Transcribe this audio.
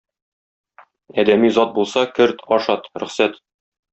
Адәми зат булса, керт, ашат, рөхсәт.